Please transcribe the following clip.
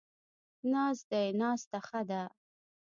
ناست دی، ناسته ښه ده